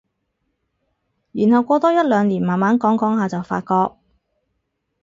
然後過多一兩年慢慢講講下就發覺